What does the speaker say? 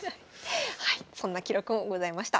はいそんな記録もございました。